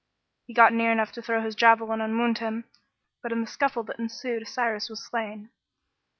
He got near enough to throw his javelin and wound him, but in the scuffle that ensued Cyrus was slain.